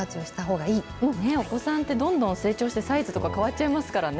お子さんって、どんどん成長して、サイズとか変わっちゃいますからね。